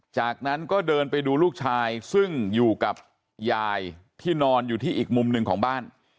จากนั้นก็เดินไปดูลูกชายซึ่งอยู่กับยายที่นอนอยู่ที่อีกมุมหนึ่งของบ้าน